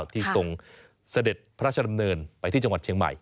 ที่ทรงเสด็จพระราชดำเนินไปที่จังหวัดเชียงใหม่